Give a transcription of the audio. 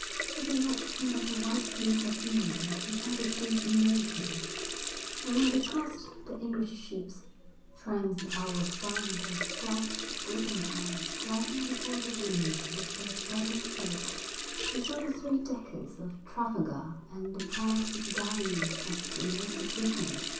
He could not think of the white cliffs of England without a deep emotion; and when they passed the English ships, tramps outward bound or stout brigantines driving before the wind with their spreading sails, he saw the three deckers of Trafalgar and the proud galleons of the Elizabethans.